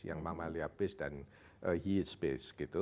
yang mamalia base dan years base gitu